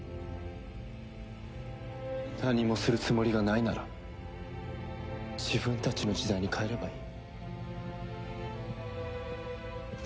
何もするつもりがないなら自分たちの時代に帰ればいい。